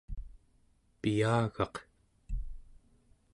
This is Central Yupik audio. piyagaq